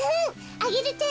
アゲルちゃん？